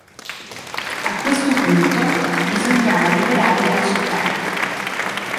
A questo punto bisognava liberare la città.